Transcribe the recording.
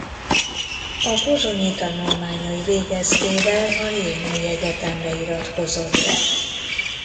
A pozsonyi tanulmányai végeztével a jénai egyetemre iratkozott be.